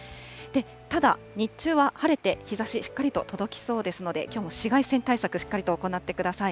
ただ日中は晴れて、日ざし、しっかりと届きそうですので、きょうも紫外線対策、しっかりと行ってください。